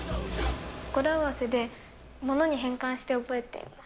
語呂合わせで、物に変換して覚えています。